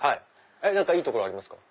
何かいい所ありますか？